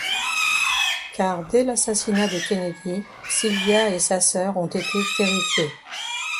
Car dès l’assassinat de Kennedy, Sylvia et sa sœur ont été terrifiées.